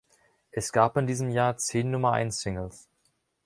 Es gab in diesem Jahr zehn Nummer-eins-Singles.